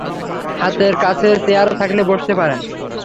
হাতের কাছে চেয়ার থাকলে বসতে পারেন।